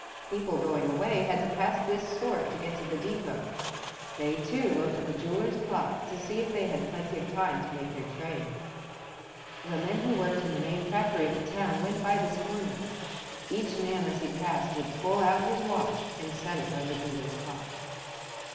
People going away had to pass this store to get to the depot; they too looked at the jeweler's clock to see if they had plenty of time to make their train. The men who worked in the main factory of the town went by this corner; each man as he passed would pull out his watch and set it by the jeweler's clock.